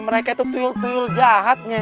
mereka tuh tuyul tuyul jahatnya